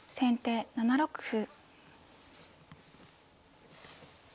先手６六歩。